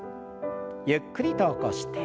ゆっくりと起こして。